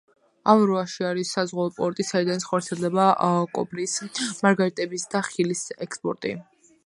ავარუაში არის საზღვაო პორტი, საიდანაც ხორციელდება კოპრის, მარგალიტების და ხილის ექსპორტი.